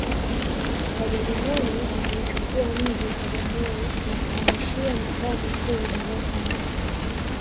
wajerumani waliuchukua mji wa bagamoyo na kuhamishia makao makuu dar es salaam